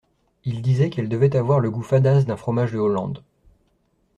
il disait qu’elle devait avoir le goût fadasse d’un fromage de Hollande.